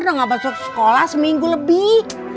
udah gak masuk sekolah seminggu lebih